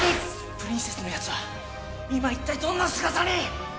プリンセスのヤツは今いったいどんな姿に？